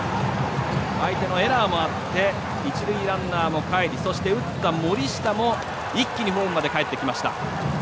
相手のエラーもあって一塁ランナーもかえりそして、打った森下も一気にホームまでかえってきました。